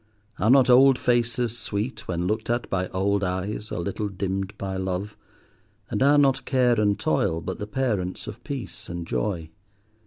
Are not old faces sweet when looked at by old eyes a little dimmed by love, and are not care and toil but the parents of peace and joy?